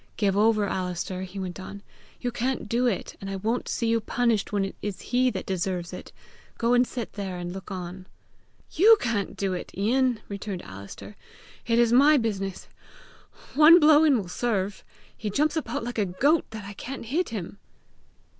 "Give over, Alister," he went on. "You can't do it, and I won't see you punished when it is he that deserves it. Go and sit there, and look on." "YOU can't do it, Ian!" returned Alister. "It is my business. One blow in will serve. He jumps about like a goat that I can't hit him!"